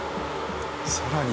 さらに。